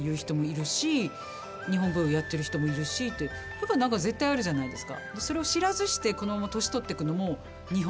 やっぱ、なんか絶対あるじゃないですか。